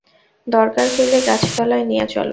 দরকার হইলে গাছতলায় নিয়া চল।